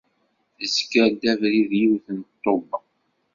Tezger-d abrid yiwet n ṭṭubba.